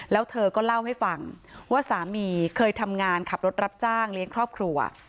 แล้วเธอก็เล่าให้ฟังว่าสามีเคยทำงานขับรถรับจ้างเลี้ยงครอบครัว